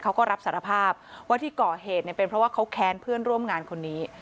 เขาก็รับสารภาพว่าที่ก่อเหตุเนี่ยเป็นเพราะว่าเขาแค้นเพื่อนร่วมงานคนนี้